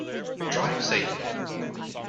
Drive safely!